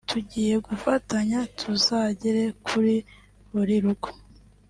tugiye gufatanya tuzagere kuri buri rugo